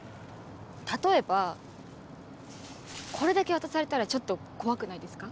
例えばこれだけ渡されたらちょっと怖くないですか？